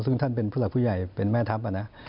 ซึ่งท่านเป็นผู้หลักผู้ใหญ่เป็นแม่ทัพนะ